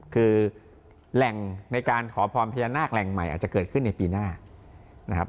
คือแหล่งในการขอพรพญานาคแหล่งใหม่อาจจะเกิดขึ้นในปีหน้านะครับ